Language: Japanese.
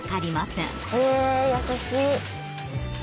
へえ優しい。